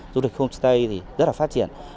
du lịch homestay rất phát triển